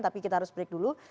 tapi kita harus break dulu